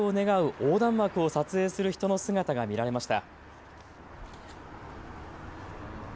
横断幕を撮影する人の姿が見られました。